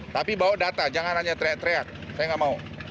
tapi bawa data jangan hanya teriak teriak saya nggak mau